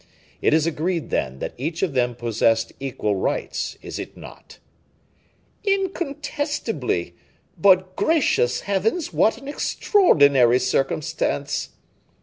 It is agreed, then, that each of them possessed equal rights, is it not?" "Incontestably! but, gracious heavens, what an extraordinary circumstance!"